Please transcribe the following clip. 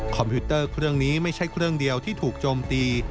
พิวเตอร์เครื่องนี้ไม่ใช่เครื่องเดียวที่ถูกโจมตี